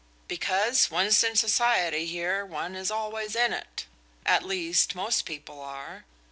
"Because once in society here one is always in it. At least, most people are.